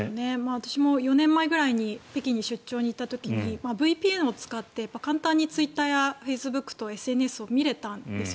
私も４年前ぐらいに北京に出張に行った時にＶＰＮを使って簡単にツイッターやフェイスブックなどのＳＮＳを見れたんですよ。